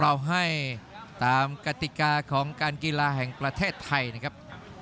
เราให้ตามกติกาของการกีฬาแห่งประเทศไทยนะครับ